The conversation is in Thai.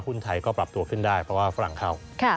หุ้นไทยก็ปรับตัวขึ้นได้เพราะว่าฝรั่งเข้า